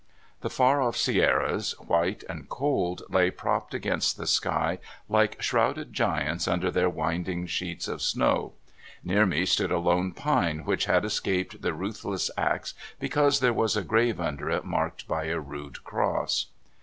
The far off Sierras, white and cold, lay propped against the sky like shrouded giants under their winding sheets of snow. Near me stood a lone pine which had escaped the ruthless ax because there was a grave under it marked by a rude cross.